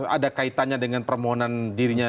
ada kaitannya dengan permohonan dirinya